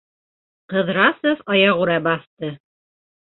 Ҡыҙрасов аяғүрә баҫты.